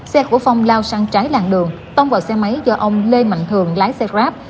xe của phong lao sang trái làng đường tông vào xe máy do ông lê mạnh thường lái xe grab